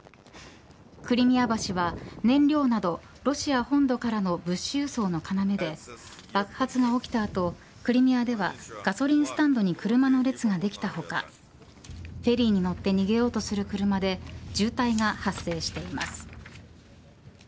クリミア橋は燃料などロシア本土からの物資輸送の要で爆発が起きた後、クリミアではガソリンスタンドに車の列ができた他フェリーに乗って逃げようとする車で渋滞が発生しています。